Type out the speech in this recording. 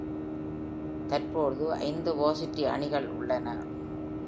தற்போது ஐந்து வர்சிட்டி அணிகள் உள்ளன.